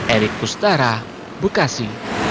erik pustara bekasi